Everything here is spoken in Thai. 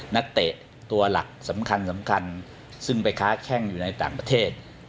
นักเตะตัวหลักสำคัญสำคัญซึ่งไปค้าแข้งอยู่ในต่างประเทศ